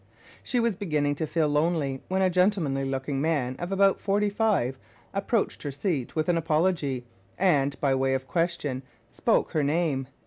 She was beginning to feel lonely when a gentlemanly looking man of about forty five approached her seat with an apology, and, by way of question, spoke her name.